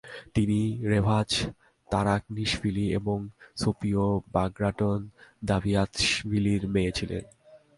তিনি রেভাজ তারখনিশভিলি এবং সোপিও বাগরাটন-দাভিতাশভিলির মেয়ে ছিলেন।